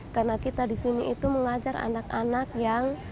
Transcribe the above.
karena kita di sini itu mengajar anak anak yang